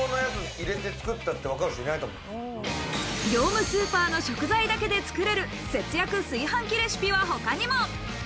業務スーパーの食材だけでつくれる節約炊飯器レシピは他にも。